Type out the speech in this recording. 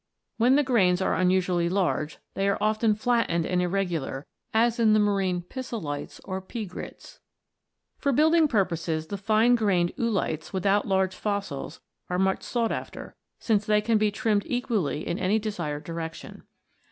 When the grains are unusually large, they are often flattened and irregular, as in the marine Pisolites or Pea grits. For building purposes, the fine grained oolites without large fossils are much sought after, since they can be trimmed equally in any desired direction.